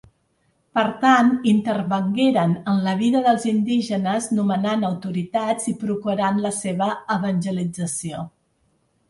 Per tant intervingueren en la vida dels indígenes nomenant autoritats i procurant la seva evangelització.